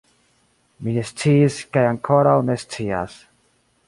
Mi ne sciis kaj ankoraŭ ne scias.